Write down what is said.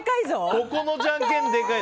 ここのじゃんけん、でかい！